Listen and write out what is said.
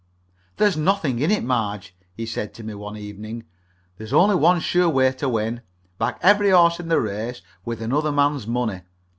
"There's nothing in it, Marge," he said to me one evening. "There's only one sure way to win back every horse in the race with another man's money.